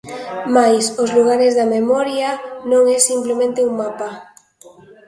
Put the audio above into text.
Mais 'Os lugares da memoria' non é simplemente un mapa.